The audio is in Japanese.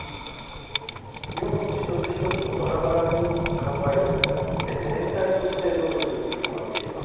要素一つ一つをバラバラに考えるんじゃなくて全体としてどういうふうに振る舞っているか。